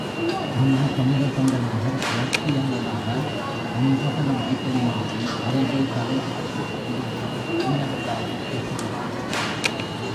ஆனால் சமூகத்தொண்டனாக, புரட்சியாளனாகத் தணிகாசலம் அடிக்கடி மாறி அறிவு, கலை, காட்டுத்தொண்டு என்று என்னவெல்லாமோ பேசுகிறான்!